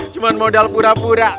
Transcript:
cuman modal pura pura